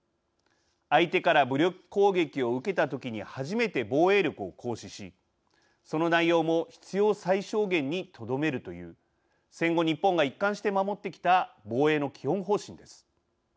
相手から武力攻撃を受けたときにはじめて防衛力を行使しその内容も必要最小限にとどめるという戦後、日本が一貫して守ってきた防衛の基本方針です。